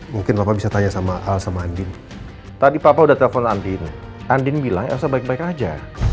mungkin bapak bisa tanya sama al sama andin tadi papa udah telepon andin andin bilang asal baik baik aja